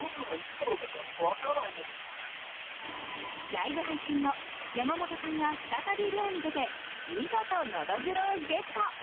ライブ配信後山本さんは再び漁に出て見事、ノドグロをゲット！